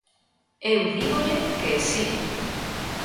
Eu dígolle que si.